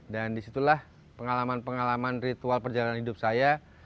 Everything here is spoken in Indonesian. dan disitulah pengalaman pengalaman ritual perjalanan hidup saya